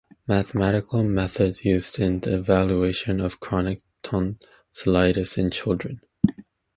Mathematical methods used in the evaluation of chronic tonsillitis in children.